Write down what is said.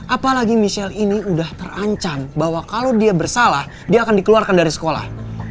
apalagi michelle ini sudah terancam bahwa kalau dia bersalah dia akan dikeluarkan dari sekolah